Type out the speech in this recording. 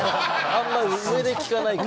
あんま上で聞かないから。